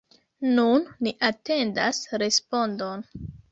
Nun ni atendas respondon.